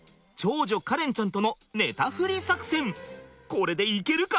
これでいけるか？